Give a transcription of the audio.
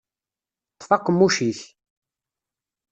Ṭṭef aqemmuc-ik!